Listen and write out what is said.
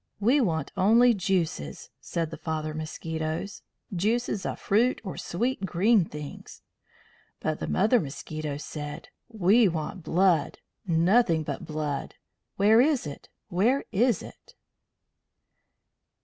"We want only juices," said the father mosquitoes; "juices of fruit or sweet green things." But the mother mosquitoes said: "We want blood. Nothing but blood. Where is it? Where is it?"